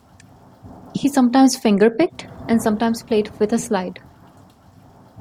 He sometimes fingerpicked and sometimes played with a slide.